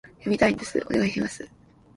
読みたいんです、お願いします